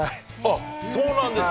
そうなんですか。